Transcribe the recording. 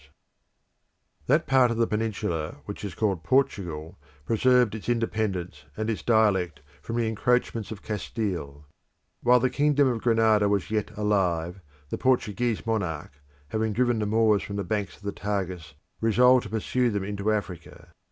The Portuguese Discoveries That part of the Peninsula which is called Portugal preserved its independence and its dialect from the encroachments of Castile. While the kingdom of Granada was yet alive, the Portuguese monarch, having driven the Moors from the banks of the Tagus, resolved to pursue them into Africa.